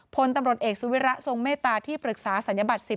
พลตำรวจเอกสุวิระทรงเมตตาที่ปรึกษาศัลยบัตร๑๐